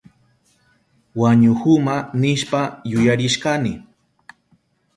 Wañuhuma nishpa yuyarishkani.